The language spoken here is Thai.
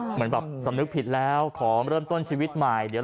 เหมือนแบบสำนึกผิดแล้วขอเริ่มต้นชีวิตใหม่เดี๋ยว